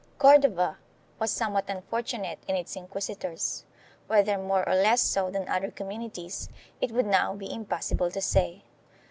Cordova was somewhat unfortunate in its inquisitors; whether more or less so than other communities it would now be impossible to say.